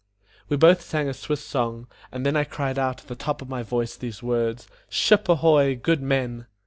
We both sang a Swiss song, and then I cried out at the top of my voice these words: "Ship ahoy! good men!"